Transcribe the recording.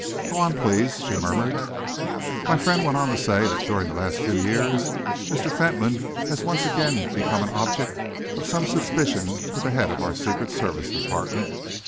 "Go on, please," she murmured. "My friend went on to say that during the last few years Mr. Fentolin has once again become an object of some suspicion to the head of our Secret Service Department.